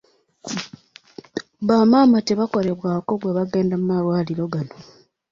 Bamaama tebakolebwako bwe bagenda mu malwaliro gano.